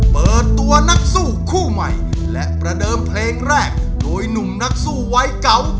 เปิดตัวนักสู้คู่ใหม่และประเดิมเพลงแรกโดยหนุ่มนักสู้วัยเก่า